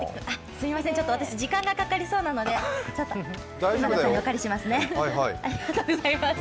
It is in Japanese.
すみません、私、時間がかかりそうなのでちょっと船田さんにお借りしますね。